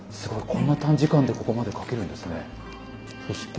こんな短時間でここまで描けるんですね。